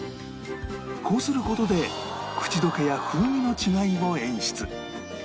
こうする事で口溶けや風味の違いを演出